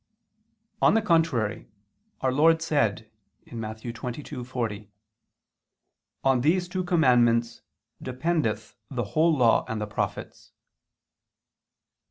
On the contrary, Our Lord said (Matt. 22:40): "On these two commandments dependeth the whole Law and the prophets."